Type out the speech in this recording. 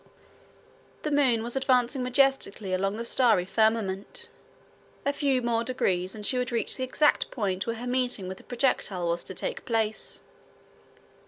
The moon was advancing majestically along the starry firmament. A few more degrees, and she would reach the exact point where her meeting with the projectile was to take place.